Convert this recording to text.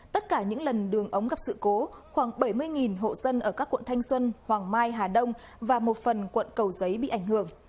tất cả những lần đường ống gặp sự cố khoảng bảy mươi hộ dân ở các quận thanh xuân hoàng mai hà đông và một phần quận cầu giấy bị ảnh hưởng